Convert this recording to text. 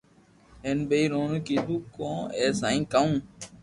ھين ٻئير اينو ڪيدو ڪو اي سائين ڪاو